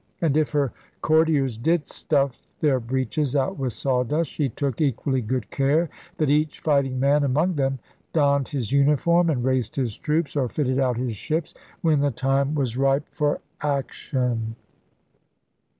And if her courtiers did stuff their breeches out with sawdust, she took equally good care that each fighting man among them donned his uniform and raised his troops or fitted out his ships when the time was ripe for action.